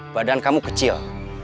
badan kamu kecil